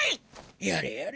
やれやれ。